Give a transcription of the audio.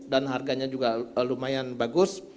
dan harganya juga lumayan bagus